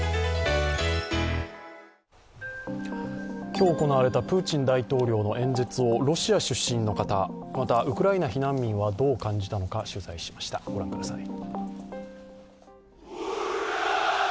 今日行われたプーチン大統領の演説をロシア出身の方、またウクライナ避難民の方はどう感じたのか、御覧ください。